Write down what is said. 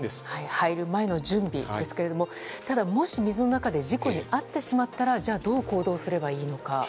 入る前の準備ですがもし、水の中で事故に遭ってしまったらじゃあ、どう行動すればいいのか。